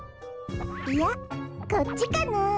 いやこっちかなあ。